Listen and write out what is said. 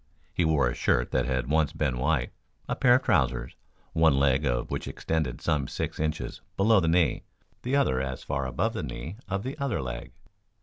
He wore a shirt that had once been white, a pair of trousers, one leg of which extended some six inches below the knee, the other as far above the knee of the other leg.